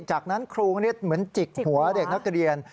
จากนั้นครูนิดเหมือนจิกหัวเด็กนักเรียน